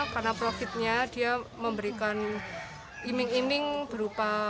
karena profitnya dia memberikan iming iming berupa